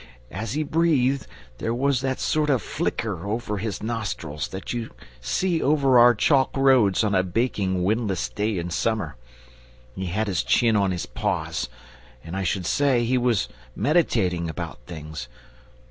As he breathed, there was that sort of flicker over his nostrils that you see over our chalk roads on a baking windless day in summer. He had his chin on his paws, and I should say he was meditating about things.